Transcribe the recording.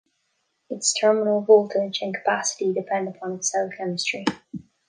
Its terminal voltage and capacity depend upon its cell chemistry.